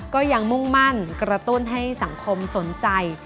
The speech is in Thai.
ก็ยังมุ่งมั่นกระตุ้นให้สังคมสนใจ